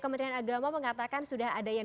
kementerian agama mengatakan sudah ada yang